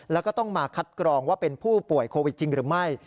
แล้วก็ต้องมาคัดกรองว่าเป็นผู้ป่วยโควิดจริงหรือไม่